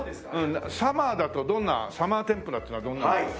サマーだとどんなサマー天ぷらっていうのはどんな？